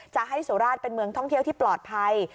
จะให้สุราชเป็นเมืองท่องเที่ยวที่ปลอดภัย